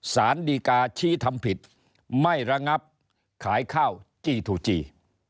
สารดีกาชี้ทำผิดไม่ระงับขายข้าวจีทูจี